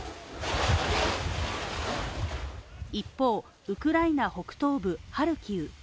一方、ウクライナ北東部ハルキウ。